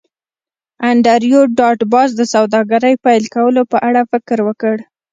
انډریو ډاټ باس د سوداګرۍ پیل کولو په اړه فکر وکړ